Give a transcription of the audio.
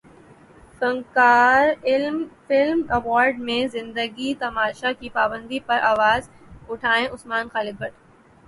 فنکار film award میں زندگی تماشا کی پابندی پر اواز اٹھائیں عثمان خالد بٹ